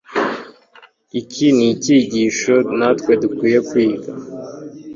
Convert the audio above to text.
Iki ni icyigisho natwe dukwiriye kwiga.